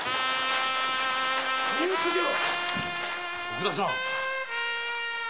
徳田さん！？